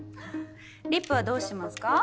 リップはどうしますか？